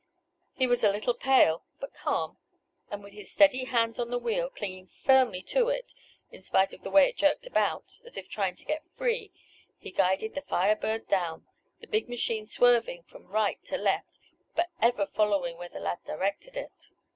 He was a little pale, but calm, and with his steady hands on the wheel, clinging firmly to it in spite of the way it jerked about, as if trying to get free, he guided the Fire Bird down, the big machine swerving from right to left, but ever following where the lad directed it.